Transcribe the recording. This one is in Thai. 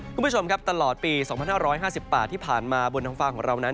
คุณผู้ชมครับตลอดปี๒๕๕๘ที่ผ่านมาบนท้องฟ้าของเรานั้น